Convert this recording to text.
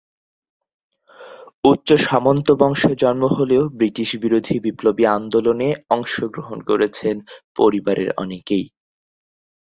উচ্চ সামন্ত বংশে জন্ম হলেও ব্রিটিশবিরোধী বিপ্লবী আন্দোলনে অংশগ্রহণ করেছেন পরিবারের অনেকেই।